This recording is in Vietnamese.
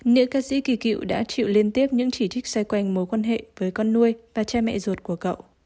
nữ ca sĩ kỳ cựu đã chịu liên tiếp những chỉ trích xoay quanh mối quan hệ với con nuôi và cha mẹ ruột của cậu